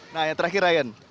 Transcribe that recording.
nah yang terakhir ryan